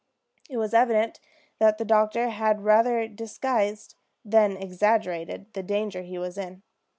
It was evident that the doctor had rather disguised than exaggerated the danger he was in.